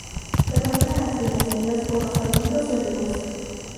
Predominan las viñas, seguidas por los almendros y olivos.